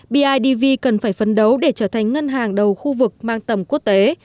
bidv cần phải phấn đấu để trở thành ngân hàng đầu khu vực mang tầm quốc tế